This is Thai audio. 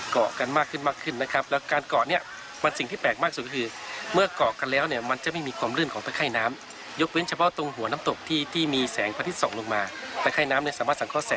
แต่ตรงไหนที่น้ำไหลแรงนะครับ